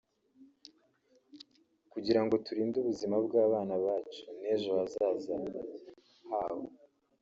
kugirango turinde ubuzima bw’abana bacu n’ejo hazaza habo